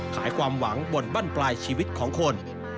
ขายความหวังบนบ้านปลายชีวิตของคน